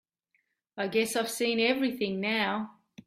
I guess I've seen everything now.